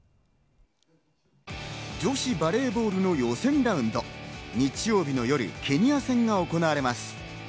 女子バレーボールの予選ラウンド、日曜日の夜、ケニア戦が行われます。